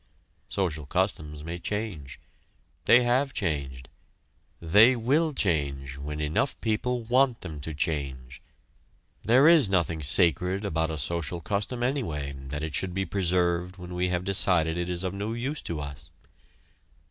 Social customs may change. They have changed. They will change when enough people want them to change. There is nothing sacred about a social custom, anyway, that it should be preserved when we have decided it is of no use to us.